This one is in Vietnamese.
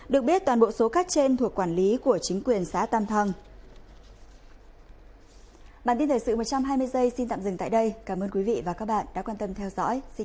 được biết toàn bộ số cát trên thuộc quản lý của chính quyền xã tam thăng